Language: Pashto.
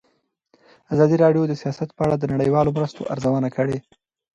ازادي راډیو د سیاست په اړه د نړیوالو مرستو ارزونه کړې.